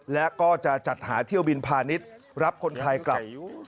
และก็จะจัดหาเที่ยวบินพาณิชย์รับคนไทยกลับ